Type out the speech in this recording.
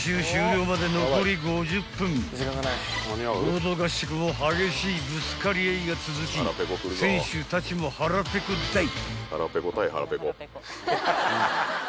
［合同合宿も激しいぶつかり合いが続き選手たちも腹ペコだい］